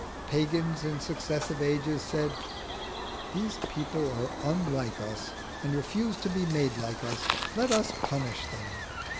Pagans in successive ages said, "These people are unlike us, and refuse to be made like us: let us punish them."